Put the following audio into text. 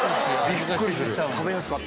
びっくりする。